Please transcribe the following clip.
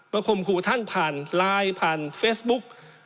ข่มขู่ท่านผ่านไลน์ผ่านเฟซบุ๊ก